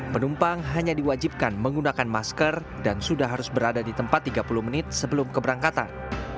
penumpang hanya diwajibkan menggunakan masker dan sudah harus berada di tempat tiga puluh menit sebelum keberangkatan